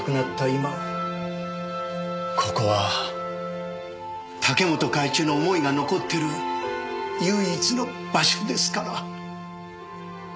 今ここは武本会長の思いが残っている唯一の場所ですから。